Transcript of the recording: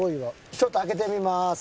ちょっと開けてみます。